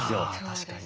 確かに。